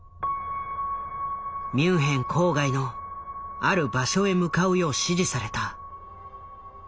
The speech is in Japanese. ミュンヘン郊外のある場所へ向かうよう指示された。